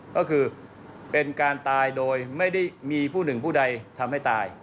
ก็คือเป็นการตายโดยไม่ได้มีผู้หนึ่งผู้ใดทำให้ตาย